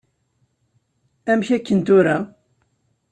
Amek aken tura?